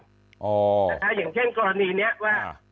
อย่างเช่นกรณีนี้ว่า